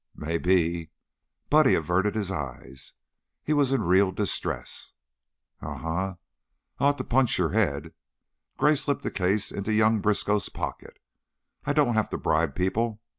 "Mebbe." Buddy averted his eyes. He was in real distress. "Um m! I ought to punch your head." Gray slipped the case into young Briskow's pocket. "I don't have to bribe people.